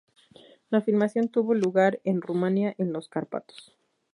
La filmación tuvo lugar en Rumanía, en los Cárpatos.